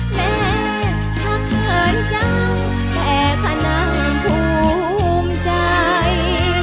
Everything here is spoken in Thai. แม้ข้าเขินจังแค่ข้านางภูมิใจ